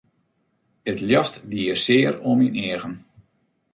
It ljocht die sear oan myn eagen.